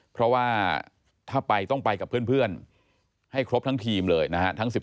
เพราะว่าถ้าไปต้องไปกับเพื่อนให้ครบทั้งทีมเลยนะฮะ